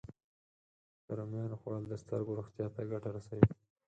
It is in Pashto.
د رومیانو خوړل د سترګو روغتیا ته ګټه رسوي